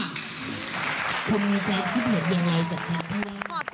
ขอบคุณครับที่เผ็ดอย่างไรกับเรา